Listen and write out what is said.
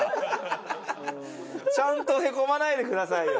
ちゃんと凹まないでくださいよ。